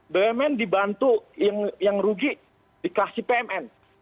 bumn dibantu yang rugi dikasih pmn